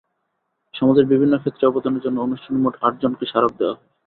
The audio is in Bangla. সমাজের বিভিন্ন ক্ষেত্রে অবদানের জন্য অনুষ্ঠানে মোট আটজনকে স্মারক দেওয়া হয়।